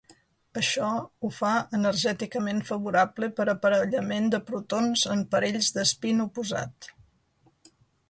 Això ho fa energèticament favorable per a aparellament de protons en parells d'espín oposat.